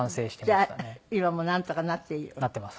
じゃあ今もなんとかなっている。